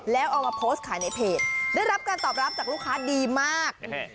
แล้วเอามาโพสต์ขายในเพจได้รับการตอบรับจากลูกค้าดีมาก